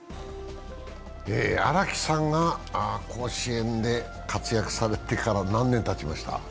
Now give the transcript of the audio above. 荒木さんが甲子園で活躍されてから何年たちました？